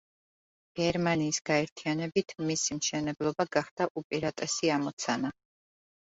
გერმანიის გაერთიანებით მისი მშენებლობა გახდა უპირატესი ამოცანა.